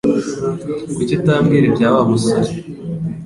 Kuki utambwira ibya Wa musore